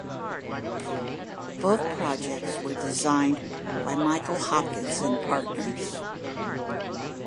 Both projects were designed by Michael Hopkins and Partners.